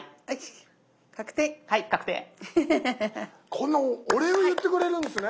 こんなお礼を言ってくれるんですね。